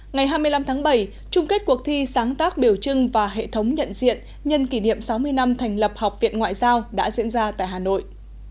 ngày hai mươi năm tháng bảy trung kết cuộc thi sáng tác biểu trưng và hệ thống nhận diện nhân kỷ niệm sáu mươi năm thành lập học viện ngoại giao đã diễn ra tại hà nội